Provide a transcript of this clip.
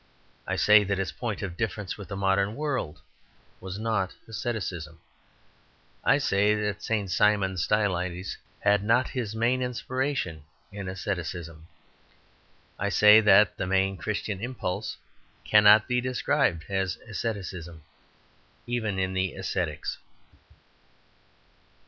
I say that its point of difference with the modern world was not asceticism. I say that St. Simeon Stylites had not his main inspiration in asceticism. I say that the main Christian impulse cannot be described as asceticism, even in the ascetics.